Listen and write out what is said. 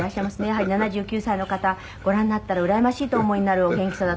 「やはり７９歳の方ご覧になったらうらやましいとお思いになるお元気さだと思いますけど」